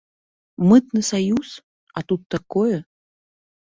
Мытны саюз, а тут такое.